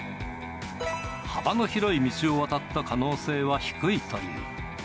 幅の広い道を渡った可能性は低いという。